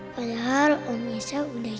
padahal om mirza udah janji mau bantuin aku